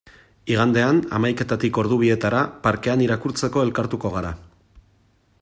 Igandean, hamaiketatik ordu bietara, parkean irakurtzeko elkartuko gara.